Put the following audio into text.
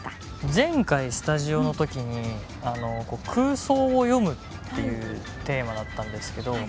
前回スタジオの時に「空想を詠む」っていうテーマだったんですけど。